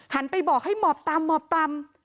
หันไปบอกให้หมอบต่ำหมอบต่ำ